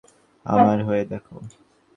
আমার হয়ে দেখ।